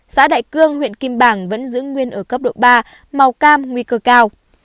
xã đại cương huyện kim bảng vẫn giữ nguyên ở cấp độ ba màu cam nguy cơ cao